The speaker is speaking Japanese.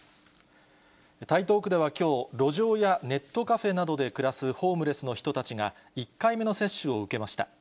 台東区ではきょう、路上やネットカフェなどで暮らすホームレスの人たちが、１回目の接種を受けました。